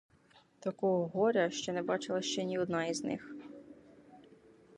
Такого горя не бачила ще ні одна з них.